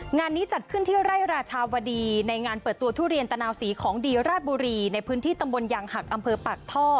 งานนี้จัดขึ้นที่ไร่ราชาวดีในงานเปิดตัวทุเรียนตะนาวศรีของดีราชบุรีในพื้นที่ตำบลยางหักอำเภอปากท่อ